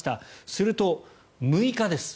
すると、６日です。